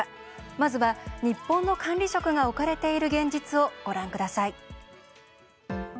まずは日本の管理職が置かれている現実をご覧ください。